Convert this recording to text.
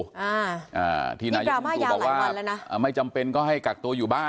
อ่าอ่าที่นายกลุงตู่บอกว่านี่กลางมาอย่างหลายวันแล้วนะอ่าไม่จำเป็นก็ให้กักตัวอยู่บ้านอ่ะ